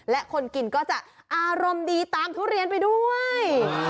และคนกินก็จะอารมณ์ดีตามทุเรียนไปด้วย